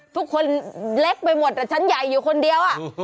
ทุกคนเล็กไปหมดแต่ชั้นใหญ่อยู่คนเดียว